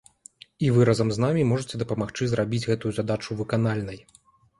І вы разам з намі можаце дапамагчы зрабіць гэтую задачу выканальнай!